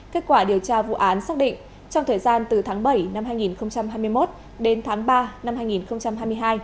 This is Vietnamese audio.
kết quả điều tra vụ án xác định trong thời gian từ tháng bảy năm hai nghìn hai mươi một đến tháng ba năm hai nghìn hai mươi hai